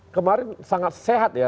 kemarin sangat sehat ya